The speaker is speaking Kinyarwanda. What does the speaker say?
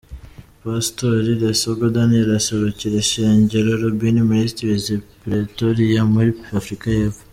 Pastori Lesego Daniel aserukira ishengero Rabboni Ministries i Pretoria muri Afrika y'epfo.